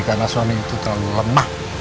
karena sony itu terlalu lemah